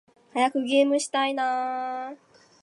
早くゲームしたいな〜〜〜